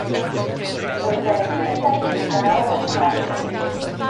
Roedden ei llygaid hi'n fawr ac yn ofnus.